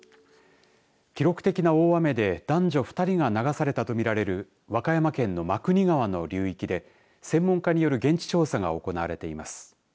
記録的の大雨で男女２人が流されたと見られる和歌山県の真国川の流域で専門家による現地調査が行われています。